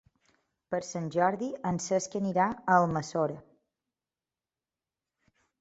Per Sant Jordi en Cesc anirà a Almassora.